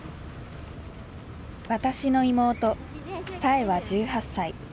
私の妹彩英は１８歳。